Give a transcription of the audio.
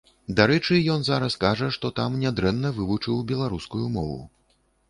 Дарэчы, ён зараз кажа, што там нядрэнна вывучыў беларускую мову.